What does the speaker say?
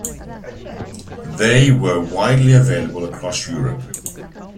They were widely available across Europe.